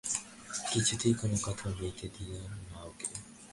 কিছুতেই কোনো কথা কইতে দিয়ো না ওঁকে।